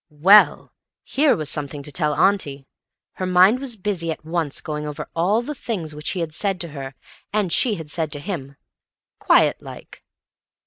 Well! Here was something to tell auntie! Her mind was busy at once, going over all the things which he had said to her and she had said to him—quiet like.